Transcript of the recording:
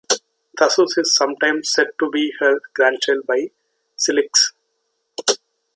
Thasus is sometimes said to be her grandchild by Cilix.